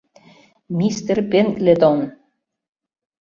— Мистер Пендлетон!